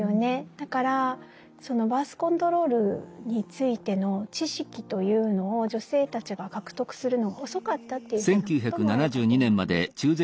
だからそのバース・コントロールについての知識というのを女性たちが獲得するのが遅かったというふうなこともあるかと思います。